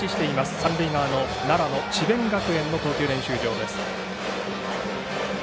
三塁側の中の智弁学園の投球練習場です。